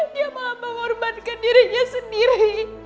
dia malah mengorbankan dirinya sendiri